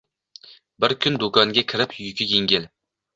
bir kun do'konga kirib yuki yengil